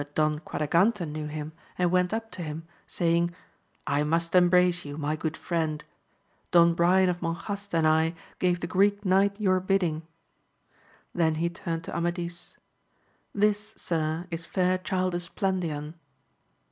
But Don Quadragante knew him, and went up to him, saying, I must embrace you, my good friend ! Don AMADIS OF GAUL. 209 Brian of Monjaste and I gave the Greek Knight your bidding ! then he turned to Amadis, This, sir, is fair child Esplandian.